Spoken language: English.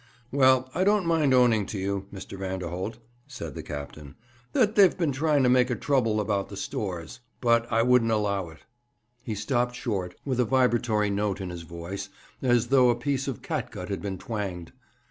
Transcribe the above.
'Well, I don't mind owning to you, Mr. Vanderholt,' said the captain, 'that they've been trying to make a trouble about the stores. But I wouldn't allow it.' He stopped short, with a vibratory note in his voice, as though a piece of catgut had been twanged.